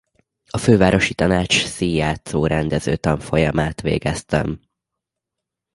A fővárosi tanács színjátszó-rendező tanfolyamát végeztem.